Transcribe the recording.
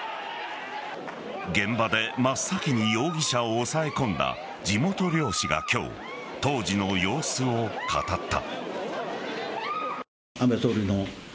現場で真っ先に容疑者を押さえ込んだ地元漁師が今日、当時の様子を語った。